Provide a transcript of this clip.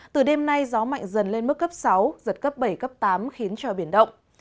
từ đêm nay gió mạnh dần lên mức cấp sáu giật cấp bảy cấp tám khiến cho biển động